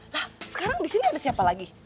nah sekarang disini ada siapa lagi